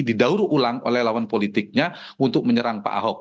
didaur ulang oleh lawan politiknya untuk menyerang pak ahok